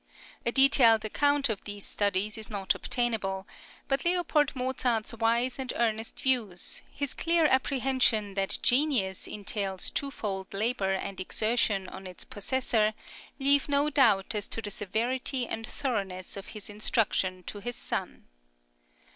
A detailed account of these studies is not obtainable; but L. Mozart's wise and earnest views, his clear apprehension that genius entails twofold labour and exertion on its possessor, leave no doubt as to the severity and thoroughness of his instruction to his son.